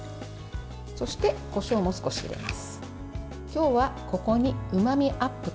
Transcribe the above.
そして、こしょうも少し入れます。